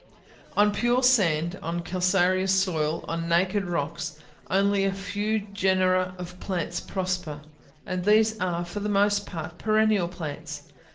On pure sand, on calcareous soil, on naked rocks, only a few genera of plants prosper, and these are, for the most part, perennial plants.